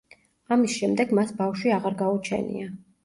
ამის შემდეგ მას ბავშვი აღარ გაუჩენია.